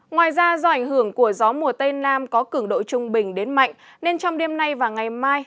ngoài ra do ảnh hưởng của gió mùa tây nam có cường độ trung bình đến mạnh nên trong đêm nay và ngày mai